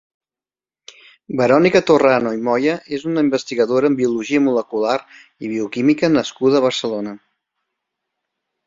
Verónica Torrano Moya és una investigadora en biologia molecular i bioquímica nascuda a Barcelona.